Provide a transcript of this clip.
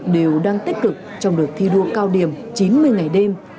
đều đang tích cực trong đợt thi đua cao điểm chín mươi ngày đêm